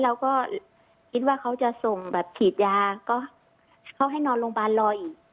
เราก็คิดว่าเขาจะส่งแบบฉีดยาก็เขาให้นอนโรงพยาบาลรออีก